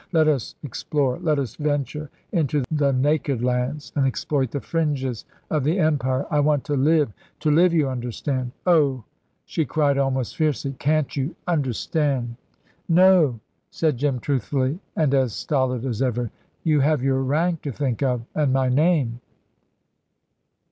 Let us explore, let us venture into the Naked Lands and exploit the fringes of the empire. I want to live to live, you understand. Oh," she cried almost fiercely, "can't you understand?" "No," said Jim, truthfully, and as stolid as ever; "you have your rank to think of, and my name."